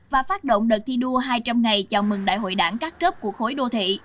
và phát động đợt thi đua hai trăm linh ngày chào mừng đại hội đảng các cấp của khối đô thị